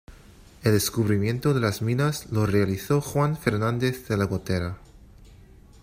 El descubrimiento de las minas lo realizó Juan Fernández de la Gotera.